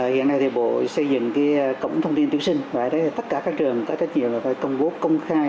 hiện nay thì bộ xây dựng cái cổng thông tin tuyển sinh và tất cả các trường có trách nhiệm là phải công bố công khai